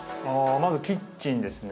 まずキッチンですね